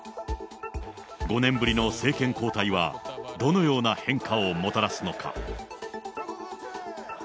５年ぶりの政権交代は、どのような変化をもたらすのか。